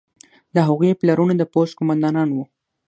د هغوی پلرونه د پوځ قوماندانان وو.